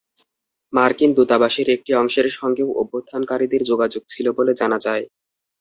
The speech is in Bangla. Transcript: মার্কিন দূতাবাসের একটি অংশের সঙ্গেও অভ্যুত্থানকারীদের যোগাযোগ ছিল বলে জানা যায়।